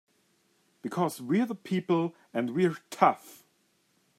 Because we're the people and we're tough!